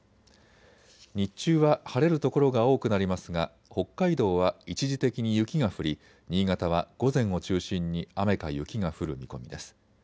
日中は晴れる所が多くなりますが北海道は一時的に雪が降り新潟は午前を中心に雨か雪が降る見込みです。